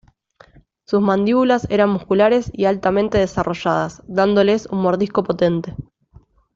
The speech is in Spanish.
Sus mandíbulas eran musculares y altamente desarrolladas, dándoles un mordisco potente.